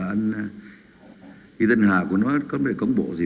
tôi xin nói có một chí là anh chính và anh y tân hà của nó có vấn đề cống bộ gì